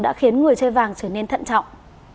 đã khiến người chơi vàng trở nên thận trọng